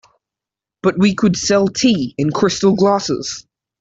But we could sell tea in crystal glasses.